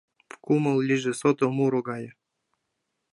Кумыл лийже сото, муро гае